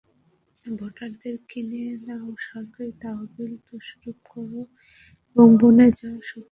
ভোটারদের কিনে নাও, সরকারি তহবিল তসরুপ করো এবং বনে যাও শক্তিশালী জার।